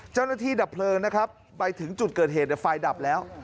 เจ้าหน้าที่ดับเพลิงไปถึงจุดเกิดเหตุแต่ไฟดับแล้ว